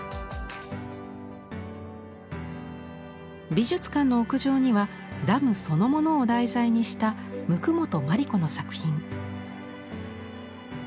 美術館の屋上にはダムそのものを題材にした椋本真理子の作品。